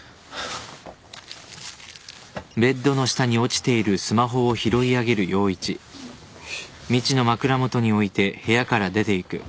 はい。